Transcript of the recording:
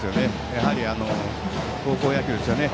やはり高校野球ですね。